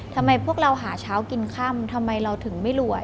ทำไมพวกเราหาเช้ากินค่ำทำไมเราถึงไม่รวย